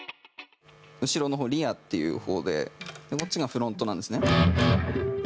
後ろの方リアっていう方でこっちがフロントなんですね。